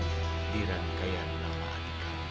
kamu dirangkaian lapangan ikan